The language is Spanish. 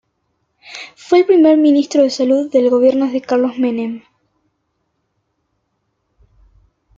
Fue el primer ministro de Salud del gobierno de Carlos Menem.